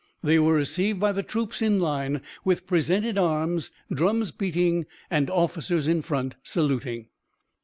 They were received by the troops in line, with presented arms, drums beating, and officers in front saluting."